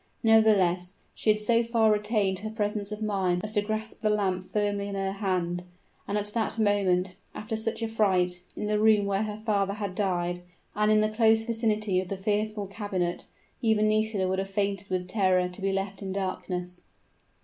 Nevertheless, she had so far retained her presence of mind as to grasp the lamp firmly in her hand, for at that moment, after such a fright, in the room where her father had died, and in the close vicinity of the fearful cabinet, even Nisida would have fainted with terror to be left in darkness.